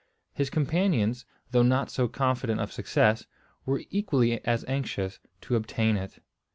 His companions, though not so confident of success, were equally as anxious to obtain it.